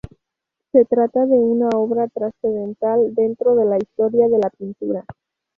Se trata de una obra trascendental dentro de la historia de la pintura.